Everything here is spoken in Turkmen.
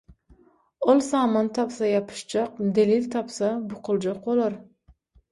Ol saman tapsa ýapyşjak, delil tapsa bukuljak bolar.